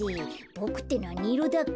ボクってなにいろだっけ？